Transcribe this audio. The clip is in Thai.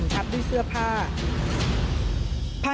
มีความรู้สึกว่า